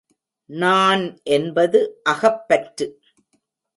நான் என்பது அகப்பற்று.